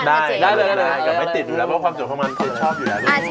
ก็ได้ไม่ติดเลยเพราะว่าความสวยความงานสวยความสวย